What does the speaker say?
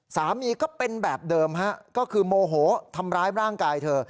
สามีก็เป็นแบบเดิมฮะก็คือโมโหทำร้ายร่างกายเธอ